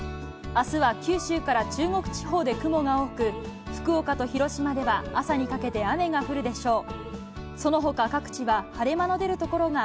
あすは九州から中国地方で雲が多く、福岡と広島では朝にかけて雨が降るでしょう。